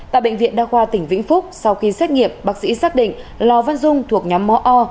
tại bệnh viện đa khoa tỉnh vĩnh phúc sau khi xét nghiệm bác sĩ xác định lò văn dung thuộc nhóm mó o